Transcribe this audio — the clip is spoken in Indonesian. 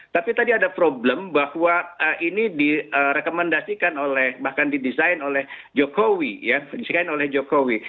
tapi tadi ada problem bahwa ini direkomendasikan oleh bahkan didesain oleh jokowi